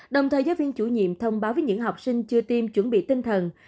đồng thời giáo viên chủ nhiệm thông báo với những học sinh chưa tiêm chuẩn bị tinh thần